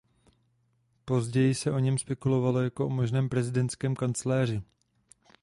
Později se o něm spekulovalo jako o možném prezidentském kancléři.